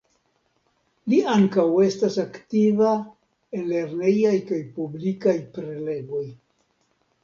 Li ankaŭ estas aktiva en lernejaj kaj publikaj prelegoj.